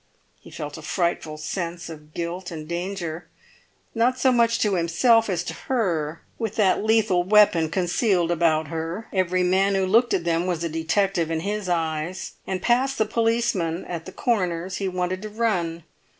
He felt a frightful sense of guilt and danger, not so much to himself as to her, with that lethal weapon concealed about her; every man who looked at them was a detective in his eyes, and past the policemen at the corners he wanted to run.